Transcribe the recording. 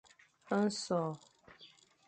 Nsè hôr.